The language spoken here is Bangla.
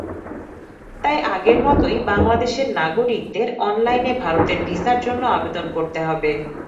তাই আগের মতোই বাংলাদেশের নাগরিকদের অনলাইনে ভারতের ভিসার জন্য আবেদন করতে হবে।